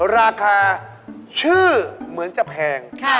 ราคาชื่อเหมือนจะแพง